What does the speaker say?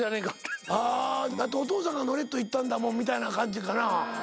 「だってお父さんが乗れと言ったんだもん」みたいな感じ。